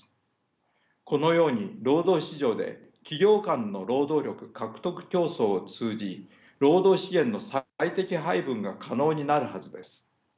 このように労働市場で企業間の労働力獲得競争を通じ労働資源の最適配分が可能になるはずです。